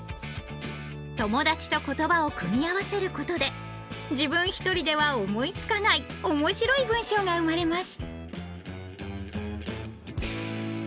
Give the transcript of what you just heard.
友だちと言葉を組み合わせることで自分一人では思いつかないおもしろい文章が生まれます。